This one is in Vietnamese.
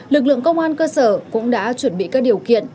lực lượng công an cơ sở cũng đã chuẩn bị các điều kiện